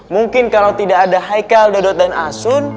mungkin kalau tidak ada haikal dodot dan asun